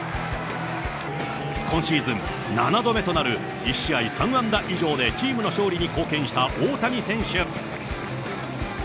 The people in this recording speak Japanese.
今シーズン７度目となる１試合３安打以上で、チームの勝利に貢献した大谷選手。